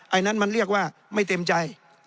อันนั้นมันเรียกว่าไม่เต็มใจ